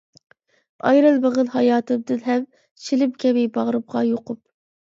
ئايرىلمىغىن ھاياتىمدىن ھەم، شىلىم كەبى باغرىمغا يۇقۇپ.